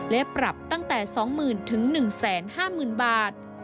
และปรับตั้งแต่๒๐๐๐๑๕๐๐๐บาท